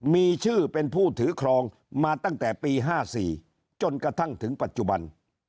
มีชื่อเป็นผู้ถือครองมาตั้งแต่ปี๕๔จนกระทั่งถึงปัจจุบัน